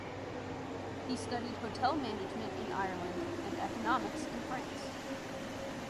He studied hotel management in Ireland and economics in France.